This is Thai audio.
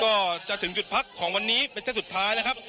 ก็จะถึงจุดพักของวันนี้เป็นสร้างที่สุดท้ายแล้วครับ